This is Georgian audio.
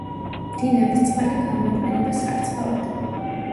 მდინარის წყალი გამოიყენება სარწყავად.